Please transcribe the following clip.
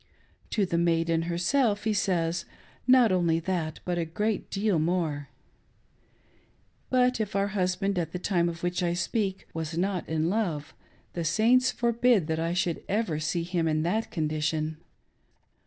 To the maiden herself he says, not only that, but a great deal more. But if our husband, at the time of which I speak, was not in love, the saints forbid that I should ever see him in that condition!